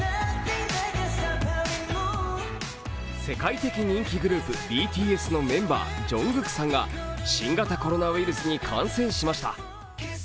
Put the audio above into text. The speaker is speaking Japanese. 世界的人気グループＢＴＳのメンバーＪＵＮＧＫＯＯＫさんが新型コロナウイルスに感染しました。